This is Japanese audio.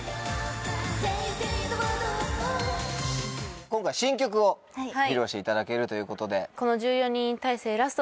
正々堂々今回新曲を披露していただけるということで。